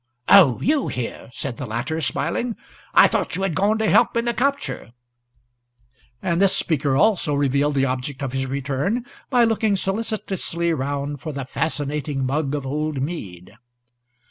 "Oh, you here?" said the latter, smiling. "I thought you had gone to help in the capture." And this speaker also revealed the object of his return by looking solicitously round for the fascinating mug of old mead.